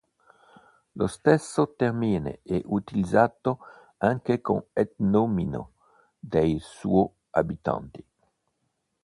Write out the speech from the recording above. Lo stesso termine è utilizzato anche come etnonimo dei suoi abitanti.